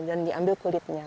dan diambil kulitnya